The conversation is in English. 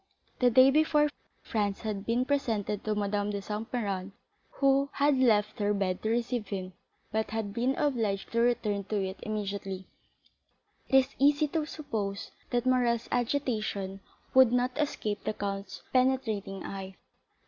The day before Franz had been presented to Madame de Saint Méran, who had left her bed to receive him, but had been obliged to return to it immediately after. It is easy to suppose that Morrel's agitation would not escape the count's penetrating eye.